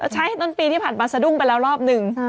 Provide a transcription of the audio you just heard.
ใช่ต้นปีที่ผ่านมาสะดุ้งไปแล้วรอบหนึ่ง